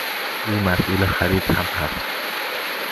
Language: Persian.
او مسئول خرید هم هست.